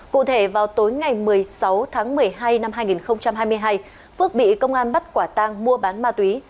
cụ thể vào tối ngày một mươi sáu tháng một mươi hai năm hai nghìn hai mươi hai phước bị công an bắt quả tang mua bán ma túy